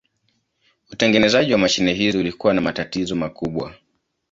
Utengenezaji wa mashine hizi ulikuwa na matatizo makubwa.